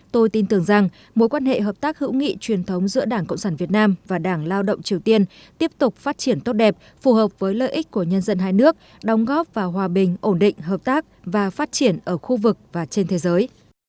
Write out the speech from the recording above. tôi tin tưởng rằng mối quan hệ hợp tác hữu nghị truyền thống giữa đảng cộng sản việt nam và đảng lao động triều tiên tiếp tục phát triển tốt đẹp phù hợp với lợi ích của nhân dân hai nước đóng góp vào hòa bình ổn định hợp tác và phát triển ở khu vực và trên thế giới